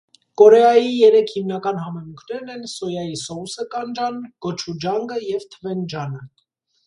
Կորեայի երեք հիմնական համեմունքներն են սոյայի սոուսը (կանջան), գոչուջանգը և թվենջանը։